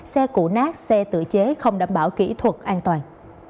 xe cũ nát xe tự chế không đảm bảo kỹ thuật an toàn